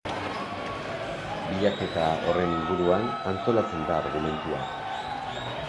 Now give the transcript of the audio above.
Bilaketa horren inguruan antolatzen da argumentua.